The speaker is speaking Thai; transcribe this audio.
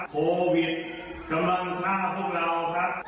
โควิดกำลังฆ่าพวกเราครับ